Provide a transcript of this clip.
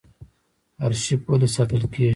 ارشیف ولې ساتل کیږي؟